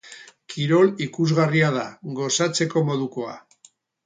Kirol ikusgarria da, gozatzeko modukoa.